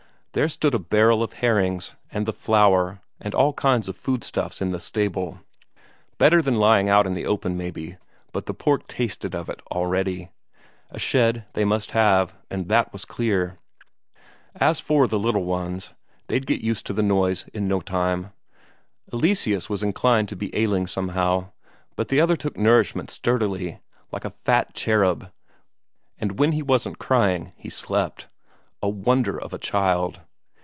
There stood a barrel of herrings, and the flour, and all kinds of food stuffs in the stable; better than lying out in the open, maybe, but the pork tasted of it already; a shed they must have, and that was clear. As for the little ones, they'd get used to the noise in no time. Eleseus was inclined to be ailing somehow, but the other took nourishment sturdily, like a fat cherub, and when he wasn't crying, he slept. A wonder of a child!